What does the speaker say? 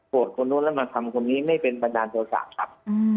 คนนู้นแล้วมาทำคนนี้ไม่เป็นบันดาลโทษะครับ